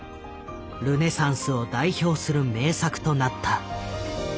ルネサンスを代表する名作となった。